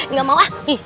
nggak mau ah